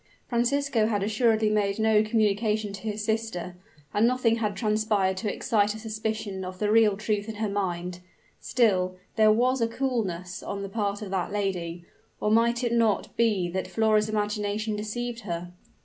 Francisco had assuredly made no communication to his sister; and nothing had transpired to excite a suspicion of the real truth in her mind. Still there was a coolness on the part of that lady: or might it not be that Flora's imagination deceived her?